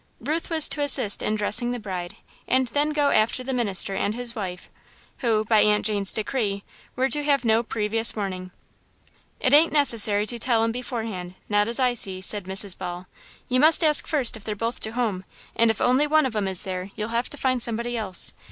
Ruth was to assist in dressing the bride and then go after the minister and his wife, who, by Aunt Jane's decree, were to have no previous warning. "'T ain't necessary to tell 'em beforehand, not as I see," said Mrs. Ball. "You must ask fust if they're both to home, and if only one of 'em is there, you'll have to find somebody else.